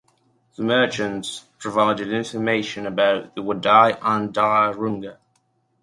The merchants provided information about the Wadai and Dar Runga.